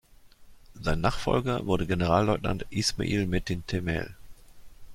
Sein Nachfolger wurde Generalleutnant İsmail Metin Temel.